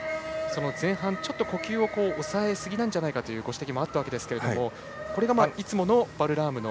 前半、ちょっと呼吸を抑えすぎなんじゃないかというご指摘もあったわけですけどもこれが、いつものバルラームの。